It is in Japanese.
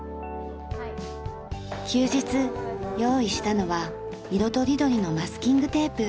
休日用意したのは色とりどりのマスキングテープ。